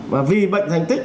và vì bệnh thành tích